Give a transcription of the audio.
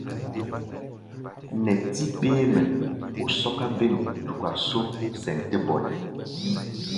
Nɛtí ɓéémɛ ó sɔ́ká bêm duka só sɛn tɛ́ bɔnɛ.